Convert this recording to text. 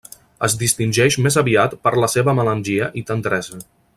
Es distingeix més aviat per la seva melangia i tendresa.